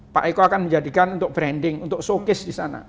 pak eko akan menjadikan untuk branding untuk showcase di sana